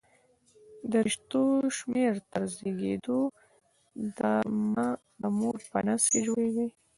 د رشتو شمېر تر زېږېدو د مه د مور په نس کې جوړېږي.